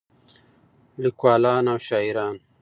لیکولان او شاعران